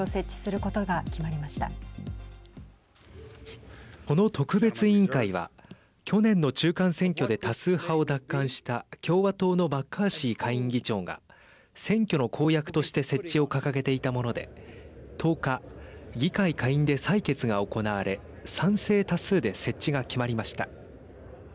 この特別委員会は去年の中間選挙で多数派を奪還した共和党のマッカーシー下院議長が選挙の公約として設置を掲げていたもので１０日、議会下院で採決が行われ賛成多数で設置が決まりました。